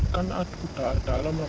kan udah ada lama